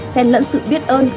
xen lẫn sự biết ơn